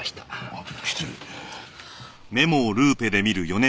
あっ失礼。